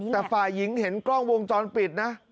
แต่ฝ่ายหญิงเห็นกล้องวงจรปิดนะ